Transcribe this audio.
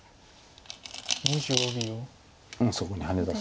うんそこにハネ出す。